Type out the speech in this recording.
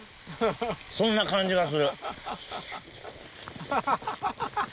そんな感じがする。